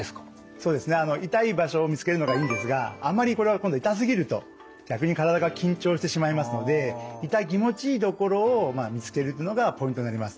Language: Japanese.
そうですね痛い場所を見つけるのがいいんですがあんまりこれは今度痛すぎると逆に体が緊張してしまいますので痛気持ちいいところを見つけるというのがポイントになります。